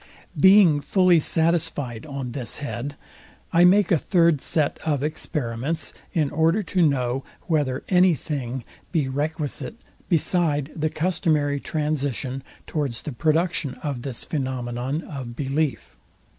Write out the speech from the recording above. Being fully satisfyed on this head, I make a third set of experiments, in order to know, whether any thing be requisite, beside the customary transition, towards the production of this phænomenon of belief.